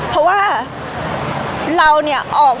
พี่ตอบได้แค่นี้จริงค่ะ